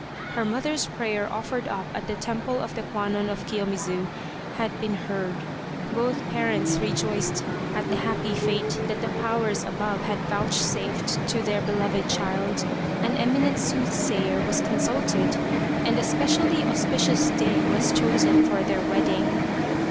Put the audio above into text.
Her mother's prayer offered up at the temple of the Kwan non of Kiyomidzu had been heard. Both parents rejoiced at the happy fate that the Powers above had vouchsafed to their beloved child, an eminent sooth sayer was consulted, and a specially auspicious day was chosen for the wedding.